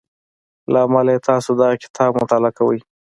له امله یې تاسې دغه کتاب مطالعه کوئ